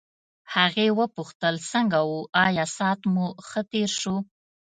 هغې وپوښتل څنګه وو آیا ساعت مو ښه تېر شو.